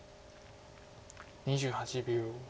２８秒。